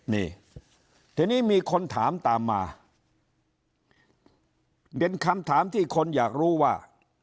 นี่ทีนี้มีคนถามตามมาเป็นคำถามที่คนอยากรู้ว่า